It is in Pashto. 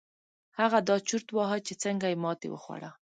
هغه دا چورت واهه چې څنګه يې ماتې وخوړه.